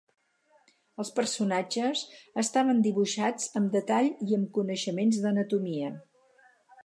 Els personatges estaven dibuixats amb detall i amb coneixements d'anatomia.